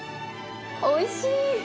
おいしい！